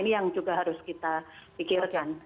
ini yang juga harus kita pikirkan